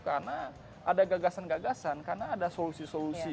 karena ada gagasan gagasan karena ada solusi solusi